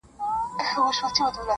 تر لحده به دي ستړی زکندن وي-